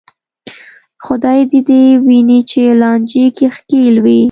خدای دې دې ویني چې لانجو کې ښکېل وې.